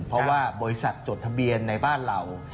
เพราะว่าบริษัทจดทะเบียนในบ้านเรา